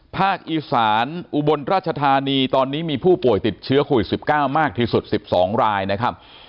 ภาคอีสานอุบลราชธานีตอนนี้มีผู้ป่วยติดเชื้อโควิด๑๙มากที่สุด๑๒รายนะครับ